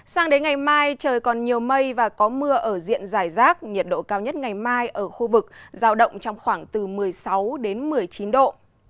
sang đến ngày mai trời còn nhiều mây và có mưa ở diện dài rác nhiệt độ cao nhất ngày mai ở khu vực giao động trong khoảng từ một mươi sáu đến một mươi chín độ